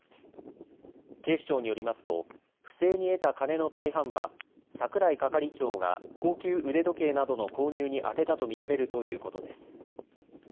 警視庁によりますと、不正に得た金の大半は櫻井係長が高級腕時計などの購入に充てたと見られるということです。